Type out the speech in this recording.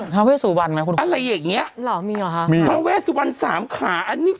เวสุวรรณไหมคุณอะไรอย่างเงี้ยหรอมีหรอคะมีทาเวสวันสามขาอันนี้